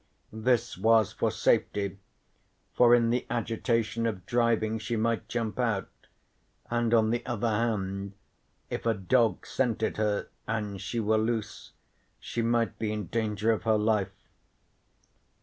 This was for safety, for in the agitation of driving she might jump out, and on the other hand, if a dog scented her and she were loose, she might be in danger of her life.